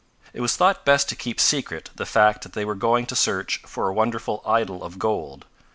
It was thought best to keep secret the fact that they were going to search for a wonderful idol of gold.